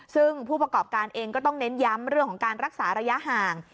ซึ่งผู้ประกอบการเองก็ต้องเน้นย้ำเรื่องของการรักษาระยะห่าง